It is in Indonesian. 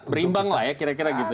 berimbang lah ya kira kira gitu